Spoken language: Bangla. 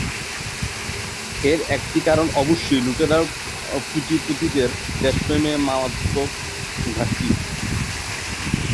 এর একটি কারণ, অবশ্যই লুটেরা পুঁজিপতিদের দেশপ্রেমে মারাত্মক ঘাটতি।